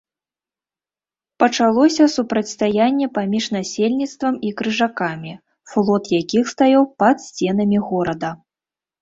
Пачалося супрацьстаянне паміж насельніцтвам і крыжакамі, флот якіх стаяў пад сценамі горада.